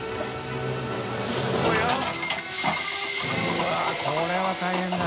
うわっこれは大変だ。